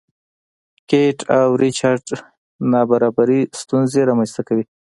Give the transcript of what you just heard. کیټ او ریچارډ نابرابري ستونزې رامنځته کوي.